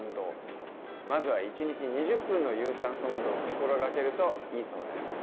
まずは１日２０分の有酸素運動を心がけるといいそうだよ。